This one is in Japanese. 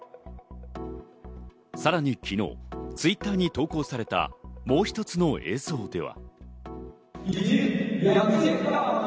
さらに昨日、Ｔｗｉｔｔｅｒに投稿されたもう一つの映像では。